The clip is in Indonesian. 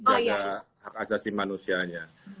atau hak asasi manusianya